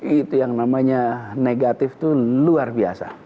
itu yang namanya negatif itu luar biasa